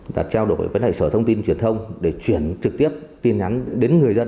ta trao đổi với hệ sở thông tin truyền thông để chuyển trực tiếp tin nhắn đến người dân